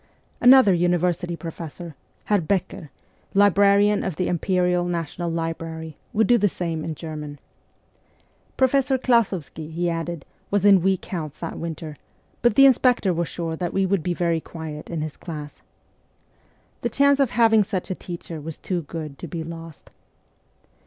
Another university professor, Herr Becker, librarian of the imperial (national) library, would do the same in German. Professor Klas6vsky, he added, was in weak health that winter, but the inspector was sure that we would be very quiet in his class. The chance of having such a teacher was too good to be lost.